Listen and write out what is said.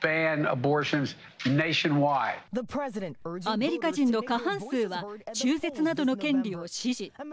アメリカ人の過半数は中絶などの権利を支持。